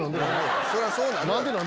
そりゃそうなる。